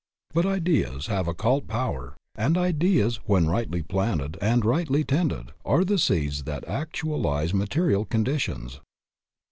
But ideas have occult power, and ideas, when rightly planted and rightly tended, are the seeds that actualize material conditions.